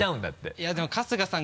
いやでも春日さん